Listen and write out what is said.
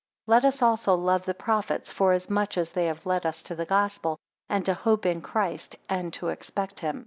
3 Let us also love the prophets, forasmuch as they have led us to the Gospel, and to hope in Christ, and to expect him.